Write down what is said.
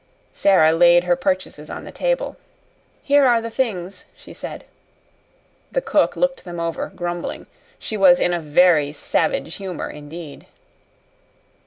Sara laid her purchases on the table. "Here are the things," she said. The cook looked them over, grumbling. She was in a very savage humor indeed.